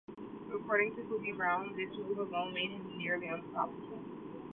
According to Hubie Brown, this move alone made him nearly unstoppable.